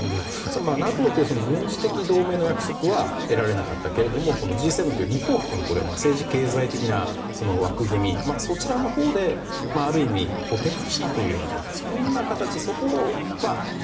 ＮＡＴＯという軍事的同盟の約束は得られなかったけれどもＧ７という日本を含む政治・経済的な枠組みそちらのほうで、ある意味補填をしたというんでしょうか。